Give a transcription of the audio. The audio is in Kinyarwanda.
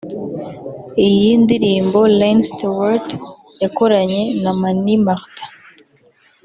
Iyi ndirimbo Iain Stewart yakoranye na Mani Martin